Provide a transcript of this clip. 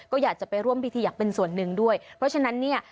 ก็อยากจะไปร่วมพิธีอยากเป็นส่วนหนึ่งด้วยเพราะฉะนั้นเนี่ย